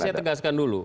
jadi saya tegaskan dulu